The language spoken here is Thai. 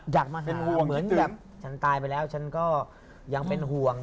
อยากมาเป็นห่วงเหมือนกับฉันตายไปแล้วฉันก็ยังเป็นห่วง